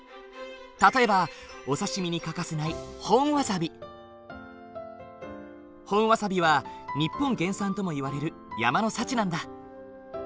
例えばお刺身に欠かせない本わさびは日本原産ともいわれる山の幸なんだ。